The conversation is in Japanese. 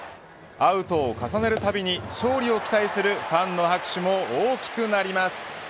アウトを重ねるたびに勝利を期待するファンの拍手も大きくなります。